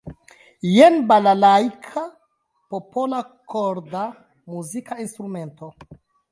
Jen "balalajka", popola korda muzika instrumento.